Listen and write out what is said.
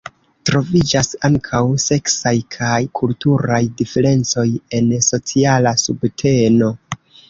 Troviĝas ankaŭ seksaj kaj kulturaj diferencoj en sociala subteno.